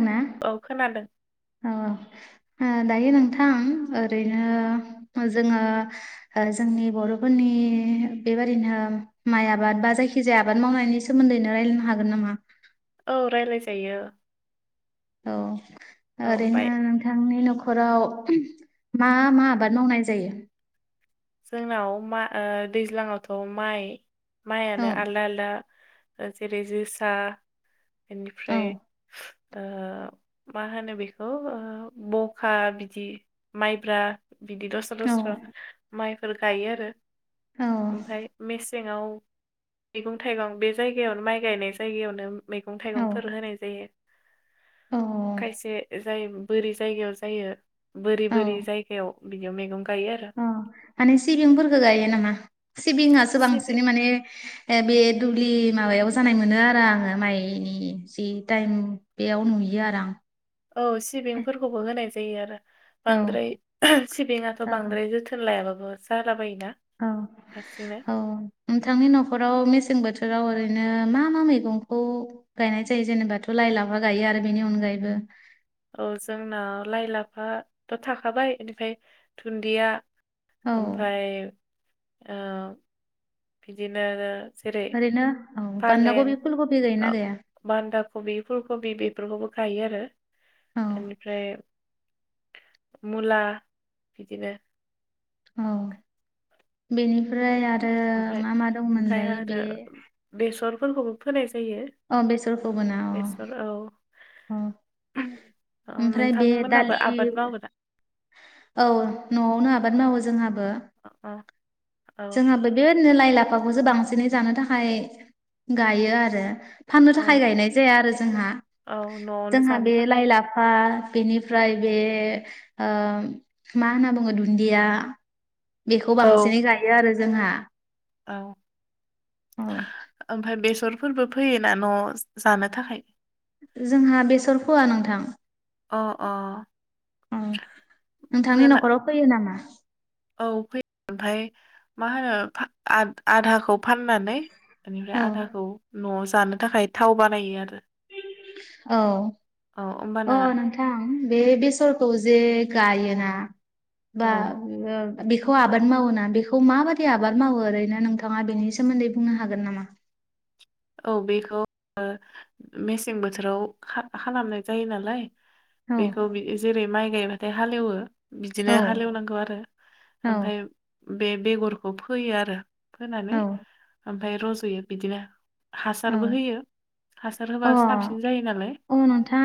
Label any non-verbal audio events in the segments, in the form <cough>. दोना औ खोनादों औ औ दायो नोंथां ओरैनो जोङो जोंनि बर'फोरनि बेबादिनो माइ आबाद बा जायखि जाया आबाद मावनायनि सोमोन्दैनो रायलायनो हागोन नामा। औ रायलाय जायो। औ ओरैनो नोंथांनि न'ख न'खराव मा मा आबाद मावनाय जायो? जोंनाव मा ओ दैज्लाङावथ' माइ औ माइआनो आलदा आलदा जेरै जोसा औ बेनिफ्राय ओ मा होनो बेखौ ओ बखा बिदि माइब्रा बिदि दस्रा औ दस्रा माइफोर गायो आरो औ ओमफ्राय मेस सेङाव मैगं थाइगं बे जायगायावनो माइ गायनाय जायगायावनो मैगं औ थाइगंफोर होनाय जायो। औ खायसे ओ जायो बोरि जायगायाव जायो बोरि औ बोरि जायगायाव बिदियाव मैगं गा गायो आरो अ माने सिबिंफोरखौ गायो नामा? सिबिंआसो सिबि बांसिनै माने ए बे दुब्लि माबायाव जानाय मोनो आरो आङो माइनि जि टाइम बेयाव नुयो आरो आं औ सिबिंफोरखौबो होनाय जा जायो आरो आं बांद्राय सिबिङाथ' औ बांद्राय जोथोन लायाबाब बो जाला बायो औ औ नोंथांनि नखराव मेसें बोथो बथोराव ओरैनो मा मा मैगंखौ गायनाय जायो जेनेबाथ लाइ लाफा गायो आरो बेनि अनगायैबो औ जोंना लाइ लाफाथ थाखाबाय बेनिफ्राय दुन्दिया औ ओमफ्राय ओ बिदिनो जेरै ओरैनो औ बान्दा फालें कबि फुल कबि ओ गायोना गाया बान्दा कबि फुलकबि बेफो बेफोरखौबो गायो आरो औ बेनिफ्राय मुला बिदिनो औ बेनि ओमफ्राय आरो ओमफ्राय मा मा दंमोनलाय बे फोरखौबो फोनाय जायो अ बेसरखौबोना अ बेसर औ अ, ओमफ्राय बे नोंथांमोनहाबो दालि आबाद मावो ना? औ नआवनो आबाद मावो जोंहाबो अ जोंहाबो बे बिदिनो लाइ लाफाखौसो बांसिनै जानो थाखाय गायो आरो फाननो थाखाय औ गायनाय जाया आरो जोंहा औ न'आवनो जोंहा जानो बे थाखाय लाइ लाफा बेनिफ्राय बे ओ मा होनना बुंङो दुन्दिया बेखौ औ बांसिनै गायो आरो जोंहा औ औ ओमफ्राय बेसर फोरबो फैयोना नआवजानो थाखाय जोंहा बेसर फोआ नोंथां अ अ औ नोंथांनि फोना नखराव फोयो नामा औ फोयो ओमफ्राय मा होनो आधाखौ फानानै बेनिफ्राय औ आधाखौ नआव जायो जानो थाखाय थाव बानायो आरो औ औ होमबाना औ नोंथां बे बेसरखौ जे गायोना औ बा बेखौ आबाद मावोना बेखौ माबादि आबाद मावो ओरैनो नोंथाङा बेनि सोमोन्दै बुंनो हागोन नामा औ बेखौ मेसें बोथोराव खालामनाय जायो नालाय औ बेखौ बिदि जेरै माइ गायबाथाय हालेवो औ बिदिनो हालेवनांगौ आरो औ ओमफाय बे बेगरखौ फोयो आरो फोनानै औ औ फाय रजयो बिदिनो हासारबो औ होयो हासार होबा अ साबसिन जायो नालाय अ नोंथां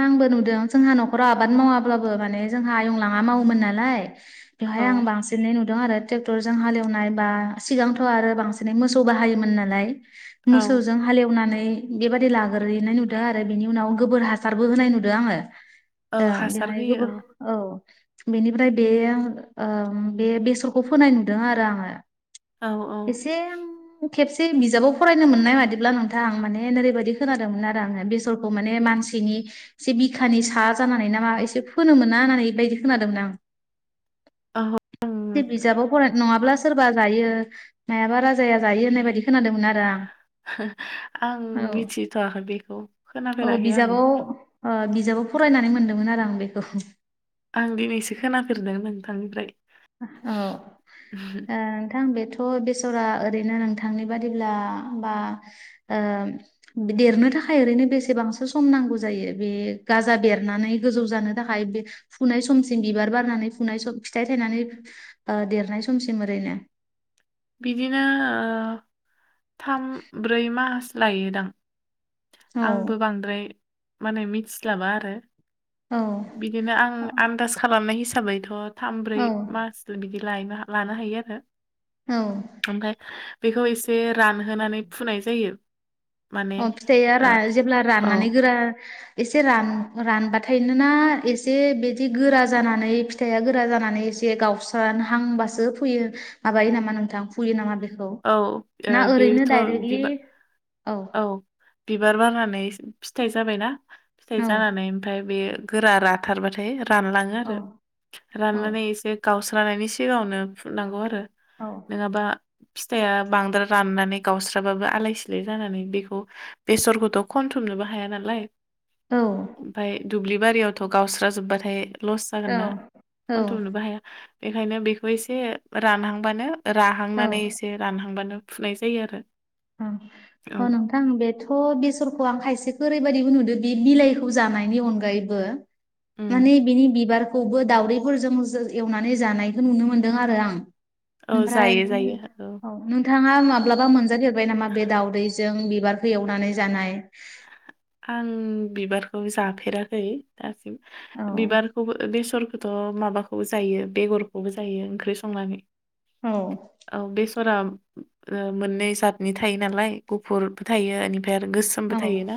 ब्लाबो माने जोंहा आयंलाहा मावोमोन नालाय औ बेवहाय आं बांसिनै नुदों आरो ट्रेक्टरजों हालेवनाय बा सिगांथ आरो बांसिनै मोसौ बाहायोमोन नालाय औ मोसौजों फुनानै बेबादि लाग्रैनाय नुदो आरो बेनि उनाव गोबोर हासारबो होनाय नुदो आङो। औ ओ हासार बेहाय होयो गोबो औ। बेनिफ्राय बेयो ओ बे बेसरखौ फोनाय नुदों आरो आङो। औ-औ। एसे आं खेबसे बिजाबाव फरायनो मोननाय मादि ब्ला नोंथां आं माने नोरैबायदि खोनादोंमोन आरो आङो बेसरखौ माने मानसिनि से बिखानि सा जानानै ना मा एसे फोनोमोना नानै बायादि खोनादोमोन आं। औ आं बे बिजाबाव फराय नङाब्ला सोरबा जायो मायाबा राजाया जायो होननाय बादि खोनादोमोन आरो आं। आं औ मिथिथवाखै बेखौ औ खोनाफेराखै आं। बिजाबाव ओ बिजाबाव फरायनानै मोनदोंमोन आरो आं बेखौ। आं दिनैसो खोनाफेरदों नोंथांनिफ्राय। औ नोंथां बेथ थ बेसरा ओरैनो नोंथांनि बादिब्ला बा ओम देरनो थाखाय ओरैनो बेसेबांसो सम नांगौ जायो बे गाजा बेरनानै गोजौ जानो थाखाय बे फुनाय समसिम बिबार बारनानै फुनाय सम फिथाइ थायनानै ओ देरनाय समसिम ओरैनो? बिदिनो ओ थाम ब्रै मास लायोदां। औ आंबो बांद्राय माने मिथिसलाबा आरो। औ बिदिनो आं आन्दाज खालामनाय हिसा साबैथ थामब्रै औ मासल बिदि लायनो लानो हायो आरो। औ ओमफाय बेखौ एसे रानहोनानै फुनाय जायो। माने अ फिथाइया ओ रा जेब्ला औ राननानै गोरा एसे रान-रानबाथायनोना एसे बिदि गोरा जानानै फिथाइया गोरा जानानै एसे गावस्रहांबासो फुयो माबायो नामा नोंथां फुयो नामा बे औ बेथ' बिबार औ औ बिबार बारनानै फिथाइ जाबायना फिथाइ औ जानानै ओमफाय बेयो गोरा राथारबाथाय रानलाङो औ आरो औ राननानै एसे गावस रानायनि सिगाङावनो फुननांगौ आरो। औ नोंङाबा फिथाइआ बांद्राय राननानै गावस्राबाबो आलाय सिलाय जानानै बेखौ बेसरखौथ खनथुमनोबो हाया नालाय औ । ओमफाय दुब्लि बारियावथ गावस्राजोब्बाथाय लस जागोन ना औ खनथ बनोबो हाया। बेखायनो बेखौ एसे रानहांबानो औ राहांनानै एसे रानहांबानो फुनाय जायो आरो । अ अ नोंथां बेथ बेसरखौ आं खायसे ओरैबायाददिबो नुदों बि बिलाइखौ जानायनि अनगायैबो उम माने बिनि बिबार खौबो दाउदैफोरजों एवनानै जानायखौ नुनो मोनदों आरो आं औ ओमफ्राय जायो जायो औ । नोंथाङा माब्लाबा मोनजा फेर बाय नामा बे दावदै? जों बिबारखौ एवनानै जानाय । आं बिबारखौ जाफेराखै औ बिबारखौ बेसे सोरखथ' माबाखौबो जायो बेगरखौबो जायो ओंख्रि संनानै । औ । फोरा मोननै जातनि थायो नालाय गुफुरबो थायो ओमफ्राय आरो गोसोमबो थायो ना?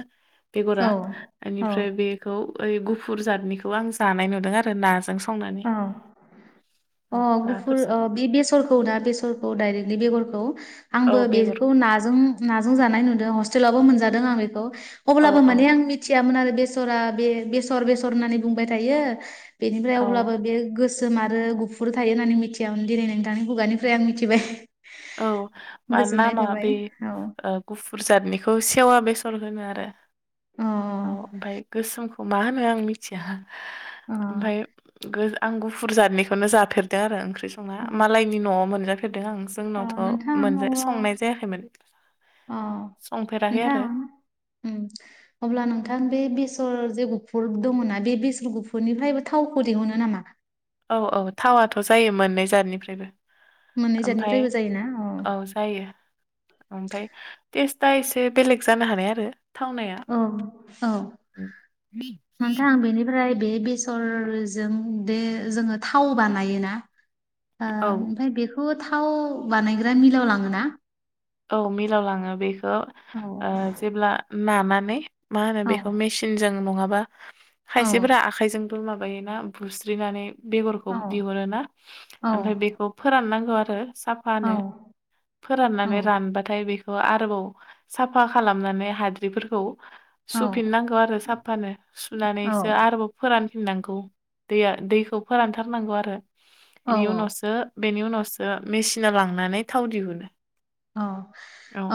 बेगरा औ बेनिफ्राय बेखौ ओइ गुफुर जादनिखौ आं जानाय नुदों आरो नाजों स औ अ' गुफुर नाफोरजों ओ बे बेसरखौ ना बेसरखौ दायरेक्टलि बेगर औ। आंबो औ बेगर बेखौ नाजों नाजों जानाय नुदों हस्टेलावबो मोनजादों आं बेखौ । औ अब्लाबो औ माने आं मिथियामोन आरो बेसरा बे बेसर बेसर होननानै बुंबाय थायो बेनिफ्राय अब्ला औ बे गोसोम आरो गुफुर थायो होननानै मिथियामोन दिनै नोंथांनि खुगानिफ्राय आं मिथिबाय । औ मानो नामा बे औ ओ गुफुर जादनिखौ सेवा बे सन होनो आरो अ औ ओमफ्राय गोसोम मा होनो आं मिथिया अ ओमफ्राय गो आं गुफुर जादनिखौनो जाफेरदों आरो ओंख्रि संना मालनि न'आव मोनजा फेरदों आं ओं जोंनावथ' नोंथां मोनजा अल्बा संनाय जायाखैमोन अ संफेराखै नोंथां आरो उम अब्ला नोंथां बे बेसे बेसर जे गुफुर दङना बेसर गुफुरनिफ्रायबो थावखौ दिहुनो नामा? औ औ थावाथ' जायो मोननै जादनिफ्रायबो मोननै ओमफ्राय जादनिफ्रायबो जायोना अ औ जायो ओमफ्राय दा एसे बेलेग जानो हानाय आरो। थावनाया औ औ नोंथां बेनिफ्राय बे बेसरजों बे जोङो थाव बानायोना ओ औ ओमफ्राय बेखौ बेखौ थाव बानायग्रा मिलाव लाङोना औ मिलाव लाङो बे थ' ओ औ जेब्ला मा माने मा होनो औ बेखौ मेसिनजों नङाबा औ खायसेफोरा आखाइजों माबायोना बुस्रिनानै बेगरखौ औ बिहरो ना औ ओमफ्राय बेखौ फोराननां आरो साफानो औ औ फोराननानै बाथाय बेखौ आरोबाव साफा खालामनानै हाद्रिफोरखौ सुफिन नांगौ आरो साफानो औ सुनानैसो आरोबाव फोरान फिननांगौ दैया दैखौ फोरानथारनांगौ आरो। औ इनि उनावसो बेनि उनावसो मेसिनाव लांनानै थाव दिहुनो। औ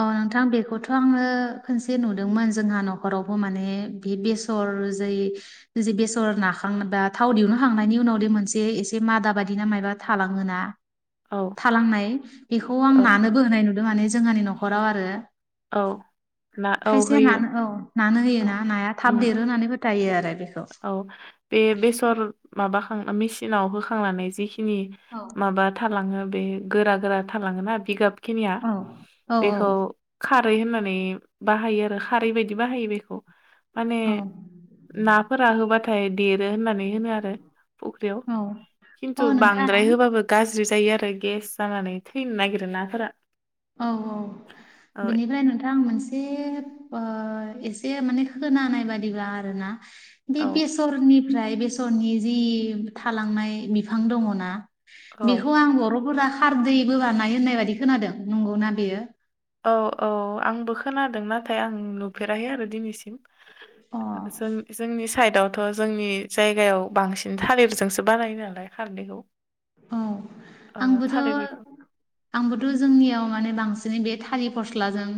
औ नोंथां बेखौथ' आङो खनसे नुदोंमोन जोंहा न'खरावबो माने बे बेसर जै जै बेसर नाखांबा थाव दिहुनखांनायनि उनाव बे मोनसे एसे मादा बायदिना मायबा थालाङोना? औ थालांनाय बेखौ आं औ नानोबो होनाय नु नुदों माने जोंहानि न'खराव आरो औ ना औ खायसेया होयो नानो औ नानो औ होयोना नाया थाब उम देरो होननानै फोथ दायो आरो बे औ बे बेसर माबा खांना मेसिनाव होखांनानै जिखि नि औ माबा थालाङो बे गोरा गोरा थालाङोना बिगाब खिनिया औ औ बेखौ खार खारै होननानै बाहायो आरो खारै बायदि बाहायो बेखौ माने औ ना ना होबाथाय दे देरो होननानै होनो आरो फख्रिआव औ अ खिनथु नोंथां बांद्राय होबाबो गाज्रि जाय जायो आरो गेस जानानै थैनो नागिरो नाफोरा औ औ औ बेनिफ्राय नोंथां मोनसे ओ एसे माने खोनानाय बादिब्ला आरोना बे औ बेसरनि ओमफ्राय बेसरनि जि थालांनाय बिफां दङ ना औ बेखौ आं बर'फोरा खारदैबो बानायो होननाय बायदि खोनादों नंगौना बेयो औ औ आंबो खोनादों नाथाय आं नुफेराखै आरो दिनैसिम अ जों जोंनि साइदआव थ' जोंनि जायगायाव बांसिन थालिरजोंसो बानायो नालाय खारदैखौ औ औ आंबोथ थालिर बिफां आंबोथ जोंनियाव माने बांसिनै बे थालिर फस्लाजों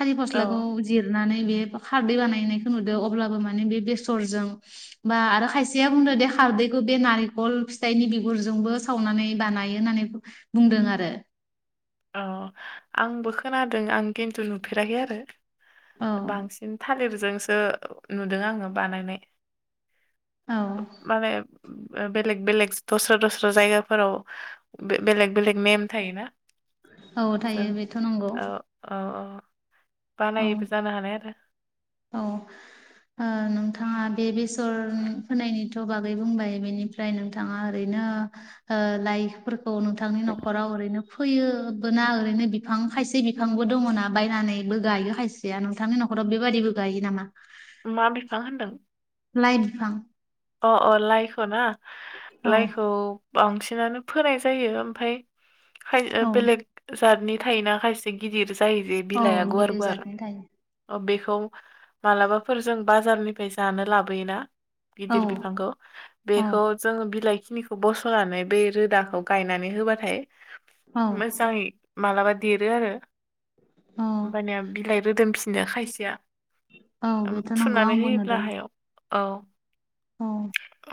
थालिर औ फस्लाखौ जिरनानै बे खारदै बानायनायखौ नुदों अब्लाबो माने बे बेसरजों बा आरो खायसेया बुंदों दे खारदैखौ बे नारेंखल फिथाइनि बिगुरजोंबो सावनानै बानायो होननानै बुंदों आरो अ आंबो खोनादों आं खिन्थु नु फेराखै आरो औ बांसिन थालिर जोंसो नुदों आङो बानायनाय औ माने बेलेग बेलेग दस्रा दस्रा जायगाफोराव बेलेग बेलेग नेम थायो ना? औ थायो बेथ नंगौ। औ औ औ बानायोबो जानो हानाय आरो। औ ओ नोंथाङा बे बेसर फोनायनिथ बागै बुंबाय बेनिफ्राय नोंथाङा ओरैनो ओ लाइफोरखौ नोंथांनि नखराव ओरैनो फोयोबोना ओरैनो बिफां खायसे बिफांबो दङना बायनानैबो गायो खायसेया नोंथांनि नखराव बेबादिबो गायो नामा? मा बिफां होनदों लाइ बिफां। अ अ लाइखौना औ लाइखौ बांसिन सिनानो फोनाय जायो ओमफ्राय खा ओ औ बेलेग जातनि थायोना खायसे गिदिर। जायो बेे औ बिलाइआ गुवार गिदिर गुवार जादनि थायो अ बे खौ मालाबाफोर जों बाजारनिफ्राय जानो लाबोयोना। औ गिदिर बिफांखौ औ बेखौ जोङो बिलाइ। खिनिखौ बसनानै बे रोदाखौ गायनानै होबाथाय औ मोजाङै मालाबा। देरो आरो। औ होमबानिया बिलाइ रोदोम फि नो खायसेया। औ ओम बेथ नंगौ थुनानै आंबो होयोब्ला नुदों। हायाव औ। औ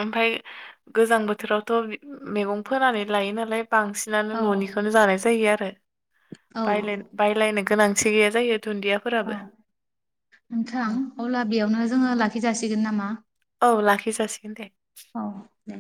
ओमफ्राय गोजां बोथोरावथ मैगं फोनानै लायो नालाय बांसिनानो औ ननिखौनो जानाय जायो आरो। औ <inaudible> बाय बायलायनो गोनां सिगया जायो। औ दुन्दियाफोराबो नोंथां अब्ला बेयावनो जोङो लाखिजासिगोन नामा। औ लाखिजासिगोन दे। औ दे।